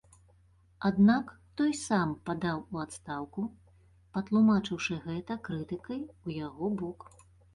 Аднак той сам падаў у адстаўку, патлумачыўшы гэта крытыкай у яго бок.